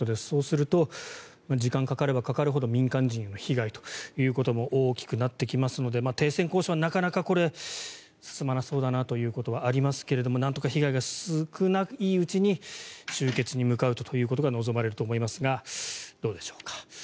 そうすると時間がかかればかかるほど民間人への被害も大きくなってきますので停戦交渉、なかなかこれ進まなそうだなということはありますがなんとか被害が少ないうちに終結に向かうとということが望まれると思いますがどうでしょうか。